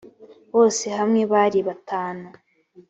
bose hamwe bari batanu